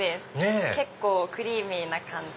結構クリーミーな感じで。